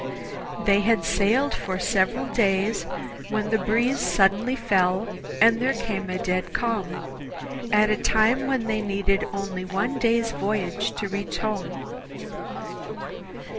They had sailed for several days, when the breeze suddenly fell, and there came a dead calm, at a time when they needed only one day's voyage to reach home.